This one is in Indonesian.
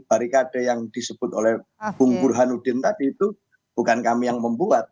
barikade yang disebut oleh bung burhanuddin tadi itu bukan kami yang membuat